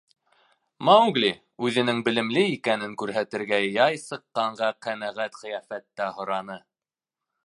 — Маугли үҙенең белемле икәнен күрһәтергә яй сыҡҡанға ҡәнәғәт ҡиәфәттә һораны.